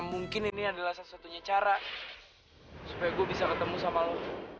mungkin ini adalah satu satunya cara supaya gue bisa ketemu sama lo